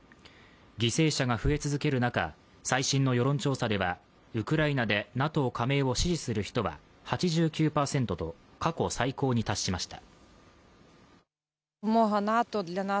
犠牲者が増え続ける中最新の世論調査ではウクライナでＮＡＴＯ加盟を支持する人は８９％と過去最高に達しました。